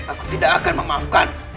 aku tidak akan memaafkan